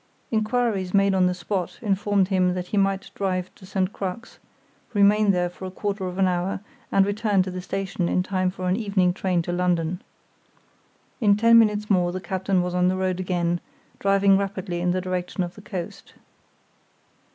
Inquiries made on the spot informed him that he might drive to St. Crux, remain there for a quarter of an hour, and return to the station in time for an evening train to London. In ten minutes more the captain was on the road again, driving rapidly in the direction of the coast.